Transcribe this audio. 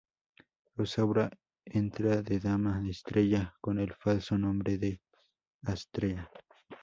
Rosaura entra de dama de Estrella con el falso nombre de Astrea.